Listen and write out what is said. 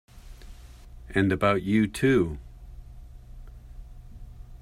And about you too!